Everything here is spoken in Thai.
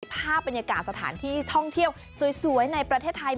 ภาพบรรยากาศสถานที่ท่องเที่ยวสวยในประเทศไทย